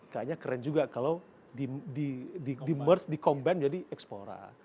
kayaknya keren juga kalau di merge di combine jadi ekspora